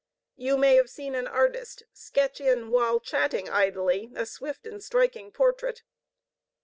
You may have seen an artist sketch in, whilst chatting idly, a swift, striking portrait.